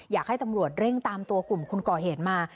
อยากให้ตำรวจเร่งตามตัวกลุ่มคนก่อเหตุมา